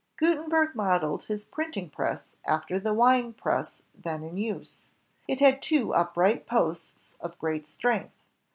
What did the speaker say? Gutenberg modeled his printing press after the wine press then in use. It had two upright posts of great strength.